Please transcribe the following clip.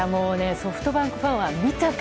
ソフトバンクファンは、見たか！